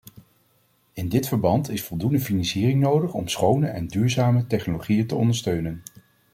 In dit verband is voldoende financiering nodig om schone en duurzame technologieën te ondersteunen.